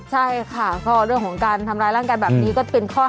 ใช่ค่ะก็เรื่องของการทำร้ายร่างกายแบบนี้ก็เป็นข้อหา